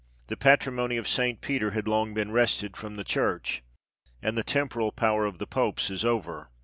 " The patrimony of St. Peter had long been wrested from the Church," and the temporal power of the Popes is over.